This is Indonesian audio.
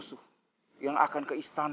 saya akan melukakanmu